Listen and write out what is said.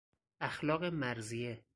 اخلاق مرضیه